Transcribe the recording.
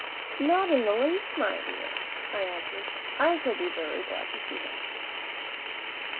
"Not in the least, my dear," I answered; "I shall be very glad to see him."